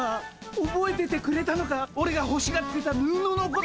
おぼえててくれたのかオレがほしがってた布のこと。